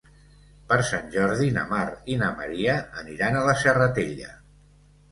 Per Sant Jordi na Mar i na Maria aniran a la Serratella.